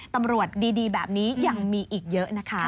ตำรวจดีแบบนี้ยังมีอีกเยอะนะคะ